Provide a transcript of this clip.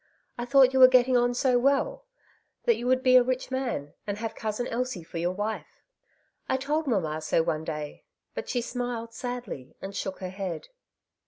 I thought you were getting on so well, that you would be a rich man, and have Cousin Elsie for your wife ! I told mamma so one day^ but she smiled sadly, and shook her head.